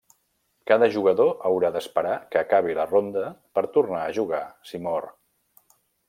Cada jugador haurà d'esperar que acabi la ronda per tornar a jugar si mor.